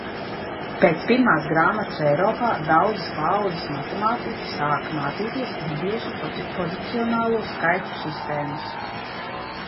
Pēc pirmās grāmatas Eiropā daudzas paaudzes matemātiķi sāka mācīties indiešu pozicionālo skaitļu sistēmas.